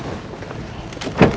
tiketnya kan ada di sini